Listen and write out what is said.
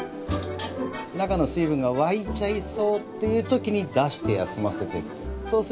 中の水分が沸いちゃいそうっていう時に出して休ませてって。